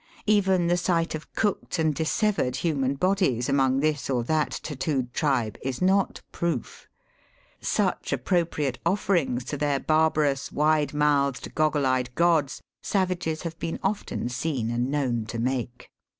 Even the sight of cooked and dissevered human bodies among this or that tattoo'd tribe, is not proof. Such appropriate offerings to their barbarous, wide mouthed, goggle eyed gods, savages have been often seen and known to make.